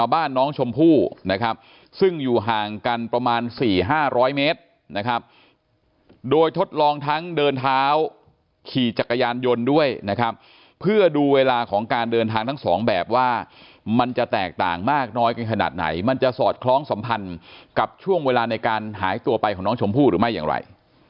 บ้านน้องชมพู่นะครับซึ่งอยู่ห่างกันประมาณ๔๕๐๐เมตรนะครับโดยทดลองทั้งเดินเท้าขี่จักรยานยนต์ด้วยนะครับเพื่อดูเวลาของการเดินทางทั้งสองแบบว่ามันจะแตกต่างมากน้อยกันขนาดไหนมันจะสอดคล้องสัมพันธ์กับช่วงเวลาในการหายตัวไปของน้องชมพู่หรือไม่อย่างไร